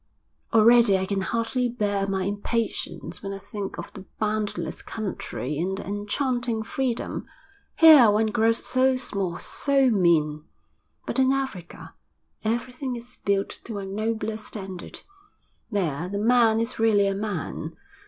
'Already I can hardly bear my impatience when I think of the boundless country and the enchanting freedom. Here one grows so small, so mean; but in Africa everything is built to a nobler standard. There the man is really a man.